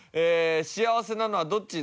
幸せなのはどっち？